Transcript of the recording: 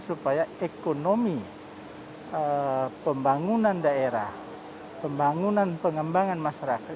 supaya ekonomi pembangunan daerah pembangunan pengembangan masyarakat